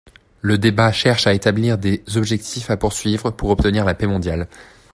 Le débat cherche à établir des objectifs à poursuivre pour obtenir la paix mondiale.